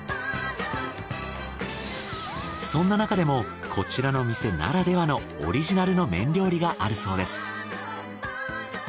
そんななかでもこちらの店ならではのオリジナルの麺料理があるそうです。